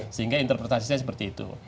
sehingga interpretasinya seperti itu